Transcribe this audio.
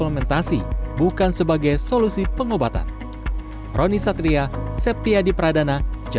fermentasi bukan sebagai solusi pengobatan